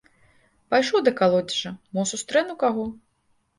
Пайшоў да калодзежа, мо сустрэну каго.